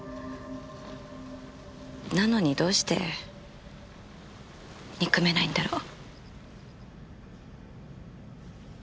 なのにどうして憎めないんだろう。